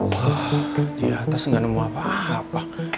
wah di atas gak nemu apa apa